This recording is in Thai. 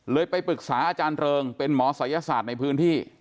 ไปปรึกษาอาจารย์เริงเป็นหมอศัยศาสตร์ในพื้นที่